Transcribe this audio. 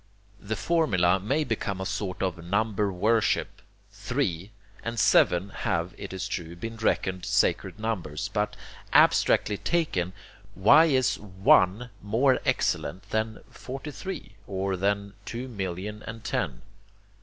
the formula may become a sort of number worship. 'Three' and 'seven' have, it is true, been reckoned sacred numbers; but, abstractly taken, why is 'one' more excellent than 'forty three,' or than 'two million and ten'?